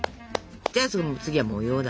じゃあその次は模様だ。